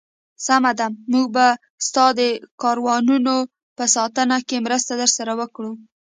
سمه ده، موږ به ستا د کاروانونو په ساتنه کې مرسته درسره وکړو.